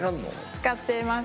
使ってます。